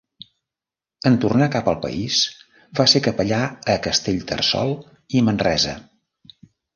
En tornar cap al país va ser capellà a Castellterçol i Manresa.